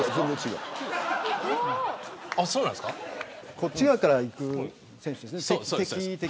こっち側から行く選手ですね。